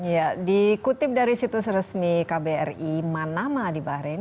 ya dikutip dari situs resmi kbri manama di bahrain